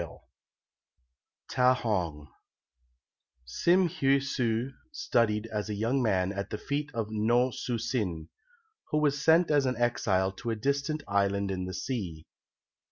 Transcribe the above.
LIII TA HONG [Sim Heui su studied as a young man at the feet of No Su sin, who was sent as an exile to a distant island in the sea.